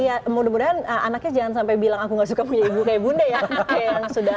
iya mudah mudahan anaknya jangan sampai bilang aku gak suka punya ibu kayak bunda ya